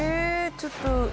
ちょっと。